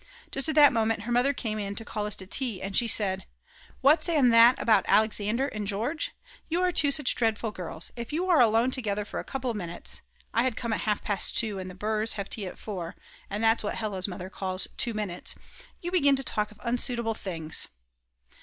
Just at that moment her mother came in to call us to tea, and she said: "What's an that about Alexander and Georg? You are such dreadful girls. If you are alone together for a couple of minutes (I had come at half past 2 and the Brs. have tea at 4, and that's what Hella's mother calls 2 minutes), you begin to talk of unsuitable things."